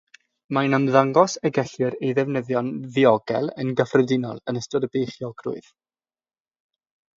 Mae'n ymddangos y gellir ei ddefnyddio'n ddiogel yn gyffredinol yn ystod beichiogrwydd.